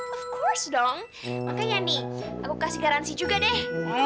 of course dong makanya nih aku kasih garansi juga deh